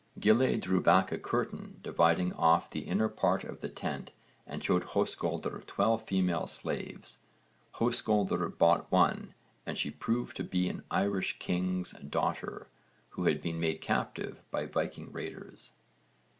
Gille drew back a curtain dividing off the inner part of the tent and showed Höskuldr twelve female slaves. Höskuldr bought one and she proved to be an Irish king's daughter who had been made captive by Viking raiders.